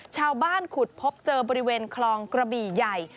ขุดพบเจอบริเวณคลองกระบี่ใหญ่